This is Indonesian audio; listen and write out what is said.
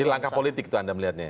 ini langkah politik itu anda melihatnya